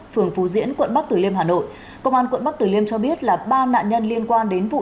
phường phù diễn quận bắc tử liêm hà nội công an tp hcm cho biết ba nạn nhân liên quan đến vụ